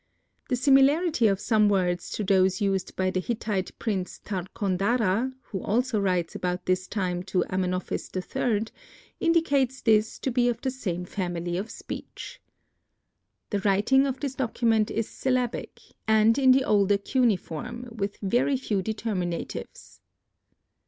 The similarity of some words to those used by the Hittite prince, Tarkondara, who also writes about this time to Amenophis III, indicates this to be of the same family of speech. The writing of this document is syllabic; and in the older cuneiform, with very few determinatives.